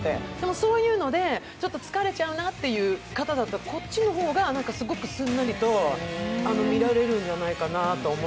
そういうので、ちょっと疲れちゃうなという方は、こっちの方がすんなりと見られるんじゃないかなと思う。